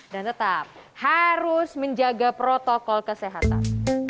dan tetap harus menjaga protokol kesehatan